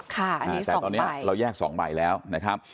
แต่ตอนนี้เราแยก๒ใบแล้วนะครับ